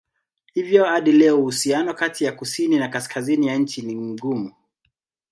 Hivyo hadi leo uhusiano kati ya kusini na kaskazini ya nchi ni mgumu.